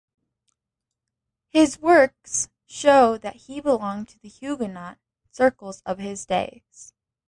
His works show that he belonged to the Huguenot circles of his days.